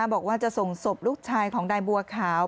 บอกว่าจะส่งศพลูกชายของนายบัวขาว